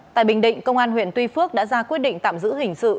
tại bình định công an huyện tuy phước đã ra quyết định tạm giữ hình sự